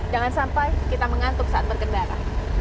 jangan sampai kita mengantuk saat berkendara